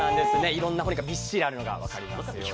いろんな骨がびっしりあるのが分かりますよね。